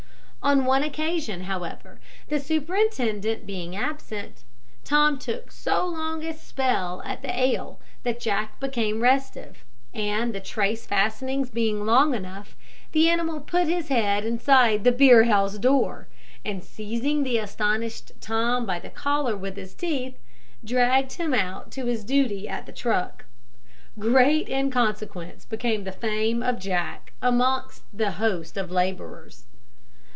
On one occasion, however, the superintendent being absent, Tom took so long a spell at the ale that Jack became restive, and the trace fastenings being long enough, the animal put his head inside the beerhouse door, and seizing the astonished Tom by the collar with his teeth, dragged him out to his duty at the truck. Great in consequence became the fame of Jack amongst the host of labourers.